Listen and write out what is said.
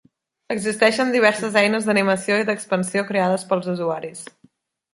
Existeixen diverses eines d'animació i d'expansió creades pels usuaris.